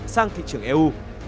sang thị trường eu